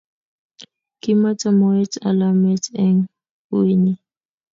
Kimeto moet alamet eng eunnyi